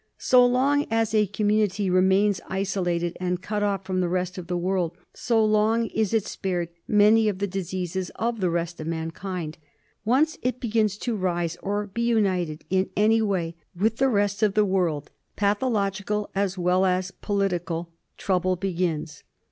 So long as a community remains isolated and cut off from the rest of the world, so long is it spared many of the diseases of the rest of mankind. Once it begins to rise or be united in any way with the rest of the world, pathological, as well as political, trouble begins.